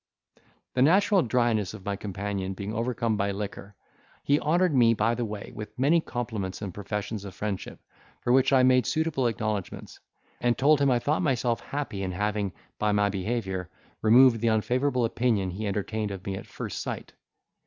The natural dryness of my companion being overcome by liquor, he honoured me by the way with many compliments and professions, of friendship, for which I made suitable acknowledgments, and told him I thought myself happy in having, by my behaviour, removed the unfavourable opinion he entertained of me at first sight.